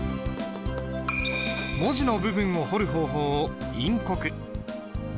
文字の部分を彫る方法を陰刻。